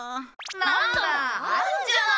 なんだあるんじゃない！